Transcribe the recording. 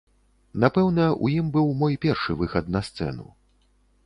Напэўна, у ім быў мой першы выхад на сцэну.